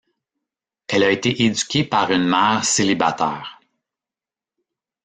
Elle a été éduquée par une mère célibataire.